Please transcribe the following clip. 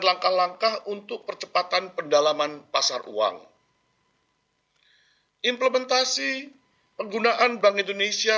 langkah langkah untuk percepatan pendalaman pasar uang implementasi penggunaan bank indonesia